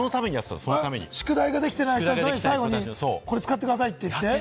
宿題ができていない人のために、これ使ってくださいって？